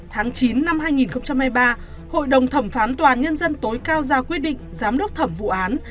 tháng chín năm hai nghìn hai mươi ba hội đồng thẩm phán tòa án nhân dân tối cao ra quyết định giám đốc thẩm vụ án